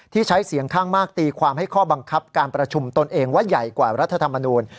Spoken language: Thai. ใช้เสียงข้างมากตีความให้ข้อบังคับการประชุมตนเองว่าใหญ่กว่ารัฐธรรมนูล